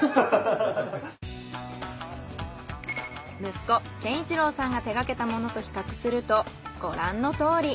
息子健一郎さんが手がけたものと比較するとご覧のとおり。